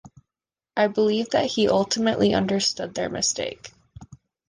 I believe that he ultimately understood their mistake.